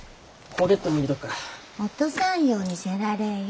落とさんようにせられえよ。